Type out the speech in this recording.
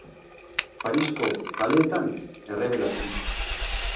Parisko kaleetan errebelaturik.